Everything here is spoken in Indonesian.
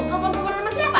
telepon teleponan sama siapa